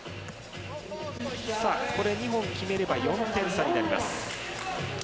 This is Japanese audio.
ここで２本決めれば４点差になります。